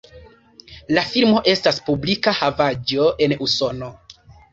La filmo estas publika havaĵo en Usono.